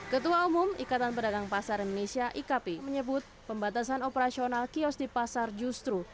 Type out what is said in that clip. ketua umum ikatan pedagang pasar indonesia ikp menyebut pembatasan operasional kios di pasar justru